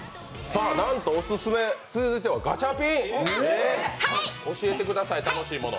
なんとオススメ、続いてはガチャピン、教えてください、楽しいもの。